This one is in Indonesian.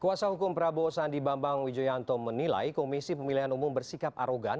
kuasa hukum prabowo sandi bambang wijoyanto menilai komisi pemilihan umum bersikap arogan